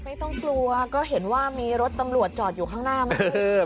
ไม่ต้องกลัวก็เห็นว่ามีรถตำรวจจอดอยู่ข้างหน้าไหม